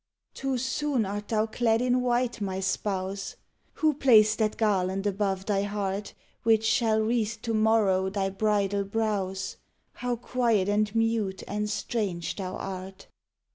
Too soon art thou clad in white, my spouse: Who placed that garland above thy heart Which shall wreathe to morrow thy bridal brows? How quiet and mute and strange thou art!